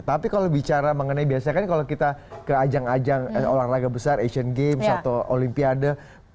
tapi kalau bicara mengenai biasanya kan kalau kita ke ajang ajang olahraga besar asian games atau olimpiade